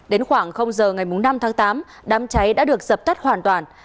đến khoảng giờ ngày năm tháng tám đám cháy đã được dập tắt hoàn toàn